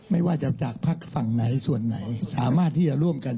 ไม่ว่าจะจากภักดิ์ฝั่งไหนส่วนไหนสามารถที่จะร่วมกัน